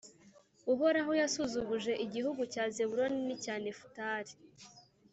Uhoraho yasuzuguje igihugu cya Zabuloni n’icya Nefutali,